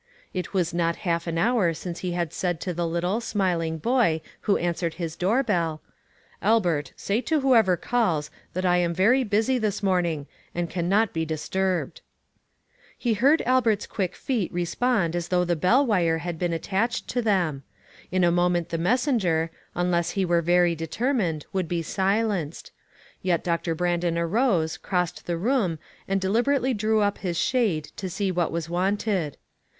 It was not half an hour since he had said to the little, smiling boy who answered his doorbell: THE PROOF OF THE DIVINE HAND. 28 1 " Albert, say to whoever calls, that I am very busy this morning, and can not be dis turbed." He heard Albert's quick feet respond as though the bell wire had been attached to them. In a moment the messenger, unless he were very determined, would be silenced ; yet Doctor Brandon arose, crossed the room and deliberately drew up his shade to see what was wanted.